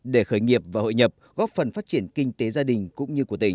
để khởi nghiệp và hội nhập góp phần phát triển kinh tế gia đình cũng như của tỉnh